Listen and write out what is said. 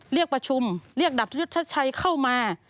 เรียกประชุมเรียกดับชยุทธชัยเข้ามา